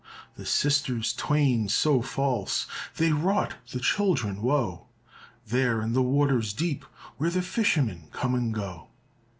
The sisters twain so false, They wrought the children woe, There in the waters deep Where the fishermen come and go."